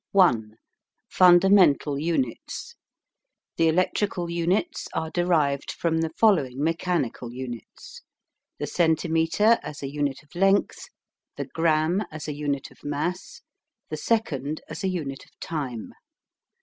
I. FUNDAMENTAL UNITS. The electrical units are derived from the following mechanical units: The Centimetre as a unit of length; The Gramme as a unit of mass; The Second as a unit of time.